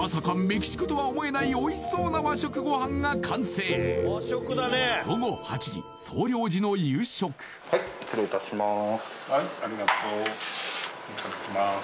メキシコとは思えないおいしそうな和食ご飯が完成午後８時総領事の夕食はい失礼いたします